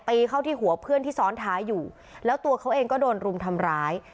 เข้าที่หัวเพื่อนที่ซ้อนท้ายอยู่แล้วตัวเขาเองก็โดนรุมทำร้าย